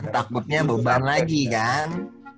takutnya beban lagi kan